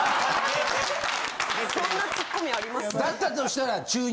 そんなツッコミあります？